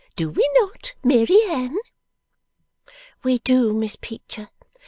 Do we not, Mary Anne?' 'We do, Miss Peecher.